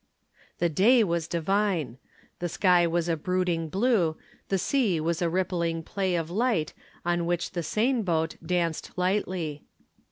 The day was divine. The sky was a brooding blue; the sea was a rippling play of light on which the seine boat danced lightly.